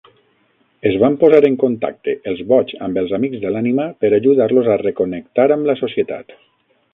Es van posar en contacte els boigs amb els "amics de l'ànima" per ajudar-los a reconnectar amb la societat.